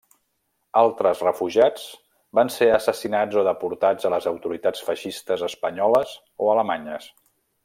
Altres refugiats van ser assassinats o deportats a les autoritats feixistes espanyoles o alemanyes.